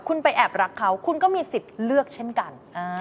คุณไปแอบรักเขาคุณก็มีสิทธิ์เลือกเช่นกัน